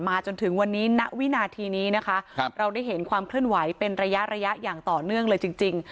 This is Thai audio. จนถึงวันนี้ณวินาทีนี้นะคะเราได้เห็นความเคลื่อนไหวเป็นระยะระยะอย่างต่อเนื่องเลยจริง